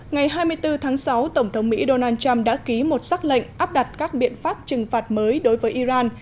ngày hai mươi bốn tháng sáu tổng thống mỹ donald trump đã ký một xác lệnh áp đặt các biện pháp trừng phạt mới đối với iran